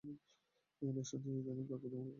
ইলেকশনটা জিতে নেই তারপর তোমাকে খেলা দেখাব!